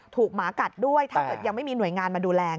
หมากัดด้วยถ้าเกิดยังไม่มีหน่วยงานมาดูแล